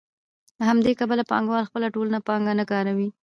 له همدې کبله پانګوال خپله ټوله پانګه نه کاروي